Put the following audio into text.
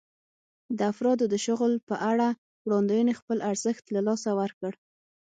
د افرادو د شغل په اړه وړاندوېنې خپل ارزښت له لاسه ورکړ.